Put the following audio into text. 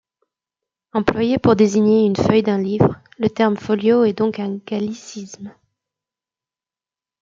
Employé pour désigner une feuille d'un livre, le terme folio est donc un gallicisme.